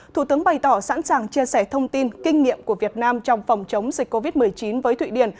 thủ tướng bày tỏ sẵn sàng chia sẻ thông tin kinh nghiệm của việt nam trong phòng chống dịch covid một mươi chín với thụy điển